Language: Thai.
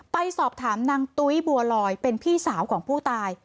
ไปสอบถามนางตุ้ยบัวลอยเป็นพี่สาวของผู้ตาย